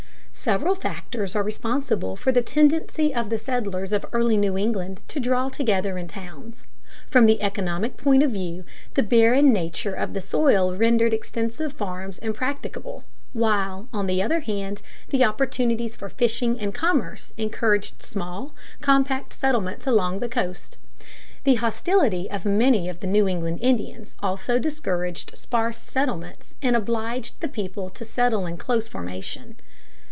Several factors are responsible for the tendency of the settlers of early New England to draw together in towns. From the economic point of view, the barren nature of the soil rendered extensive farms impracticable, while, on the other hand, the opportunities for fishing and commerce encouraged small, compact settlements along the coast. The hostility of many of the New England Indians also discouraged sparse settlements and obliged the people to settle in close formation.